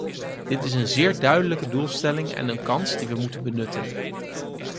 Dit is een zeer duidelijke doelstelling en een kans die we moeten benutten.